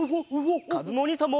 かずむおにいさんも。